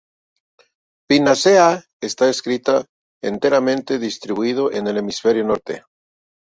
Pinaceae está casi enteramente distribuido en el Hemisferio Norte.